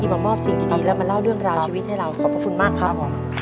มามอบสิ่งดีแล้วมาเล่าเรื่องราวชีวิตให้เราขอบพระคุณมากครับ